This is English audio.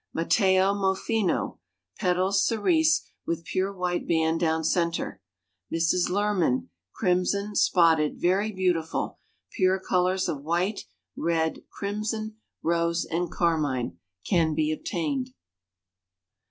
Matteo Molfino, petals cerise, with pure white band down center. Mrs. Lurmann, crimson, spotted, very beautiful. Pure colors of white, red, crimson, rose and carmine, can be obtained.